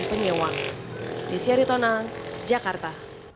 dari penyewa desy aritona jakarta